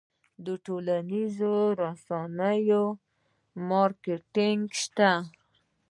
د ټولنیزو رسنیو مارکیټینګ شته؟